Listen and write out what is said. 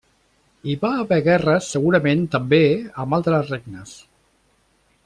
Hi va haver guerres segurament també amb altres regnes.